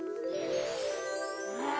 ああ。